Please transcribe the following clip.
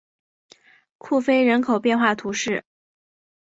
库菲人口变化图示